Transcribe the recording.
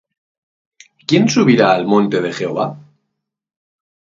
¿Quién subirá al monte de Jehová?